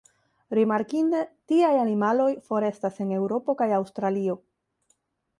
Rimarkinde, tiaj animaloj forestas en Eŭropo kaj Aŭstralio.